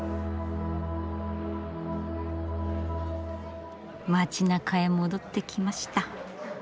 街なかへ戻ってきました。